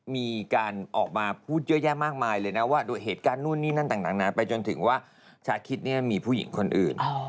มีการออกมาพูดเยอะแยะมากมายเลยนะว่าด้วยเหตุการณ์นู่นนี่นั่นต่างนานาไปจนถึงว่าชาคิดเนี่ยมีผู้หญิงคนอื่น